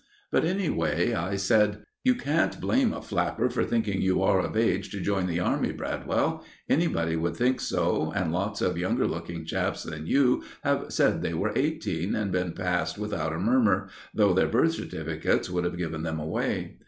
But, anyway, I said: "You can't blame a flapper for thinking you are of age to join the Army, Bradwell. Anybody would think so, and lots of younger looking chaps than you have said they were eighteen, and been passed without a murmur, though their birth certificates would have given them away.